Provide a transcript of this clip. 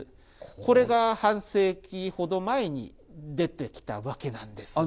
これが半世紀ほど前に出てきたわけなんです。